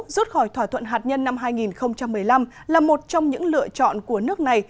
rút khỏi thỏa thuận hạt nhân năm hai nghìn một mươi năm là một trong những lựa chọn của nước này